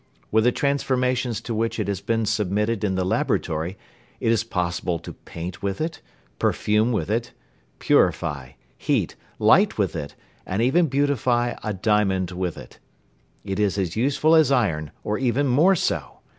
With the transformations to which it has been submitted in the laboratory, it is possible to paint with it, perfume with it, purify, heat, light with it, and even beautify a diamond with it. It is as useful as iron or even more so.